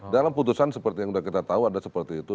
dalam putusan seperti yang sudah kita tahu ada seperti itu